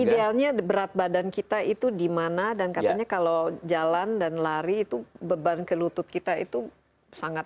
idealnya berat badan kita itu dimana dan katanya kalau jalan dan lari itu beban ke lutut kita itu sangat